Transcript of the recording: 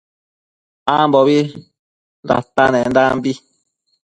Ambo datanendanbi